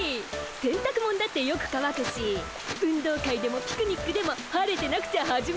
せんたくもんだってよくかわくし運動会でもピクニックでも晴れてなくちゃ始まらねえ。